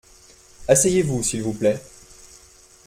Asseyez-vous s’il vous plait.